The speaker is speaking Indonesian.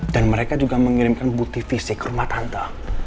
dan mereka juga mengirimkan buti fisik ke rumah tante